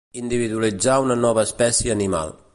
Individualitzar una nova espècie animal.